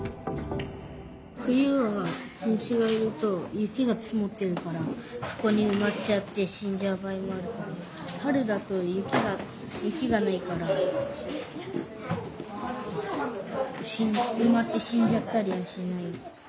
冬は虫がいると雪がつもっているからそこにうまっちゃって死んじゃう場合もあるけど春だと雪がないからうまって死んじゃったりはしない。